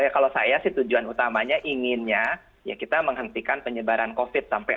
kalau saya sih tujuan utamanya inginnya ya kita menghentikan penyebaran covid sampai